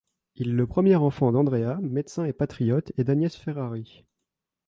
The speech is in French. Il est le premier enfant d'Andrea, médecin et patriote, et d'Agnese Ferrari.